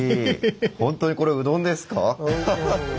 本当にこれうどんですか？